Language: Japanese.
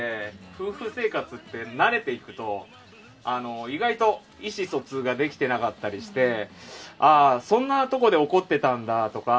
夫婦生活って慣れていくと意外と意思疎通ができていなかったりしてそんなとこで怒ってたんだとか